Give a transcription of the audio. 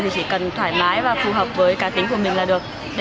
thì chỉ cần thoải mái và phù hợp với cá tính của mình là được